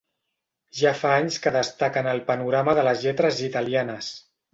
Ja fa anys que destaca en el panorama de les lletres italianes.